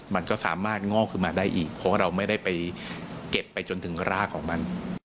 มันก็คงสามารถงอขึ้นมาอีกเพราะเราไม่เก็บไปจนถึงรากของมัน